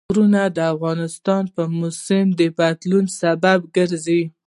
غرونه د افغانستان د موسم د بدلون سبب کېږي.